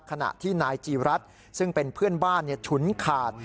ขณะที่นายจีรัฐซึ่งเป็นเพื่อนบ้านฉุนขาด